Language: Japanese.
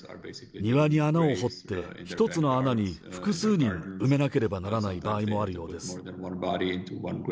庭に穴を掘って、１つの穴に複数人埋めなければならない場合もあるようです。